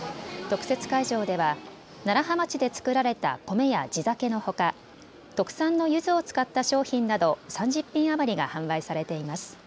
特設会場では楢葉町で作られた米や地酒のほか、特産のゆずを使った商品など３０品余りが販売されています。